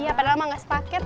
iya padahal mah nggak sepaket